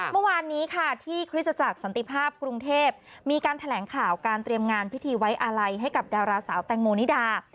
เมื่อวานนี้ค่ะที่คริสตจักรสันติภาพกรุงเทพมีการแถลงข่าวการเตรียมงานพิธีไว้อาลัยให้กับดาราสาวแตงโมนิดา